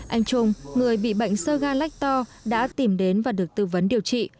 anh trung người bị bệnh sơ ga lách to đã tìm đến và được tư vấn điều trị